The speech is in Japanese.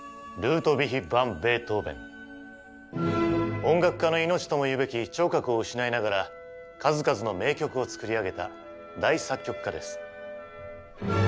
音楽家の命ともいうべき聴覚を失いながら数々の名曲を作り上げた大作曲家です。